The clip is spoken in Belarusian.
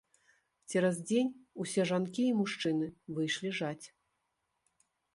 Цераз дзень усе жанкі і мужчыны выйшлі жаць.